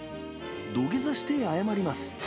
土下座して謝ります。